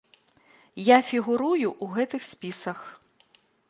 Я фігурую ў гэтых спісах.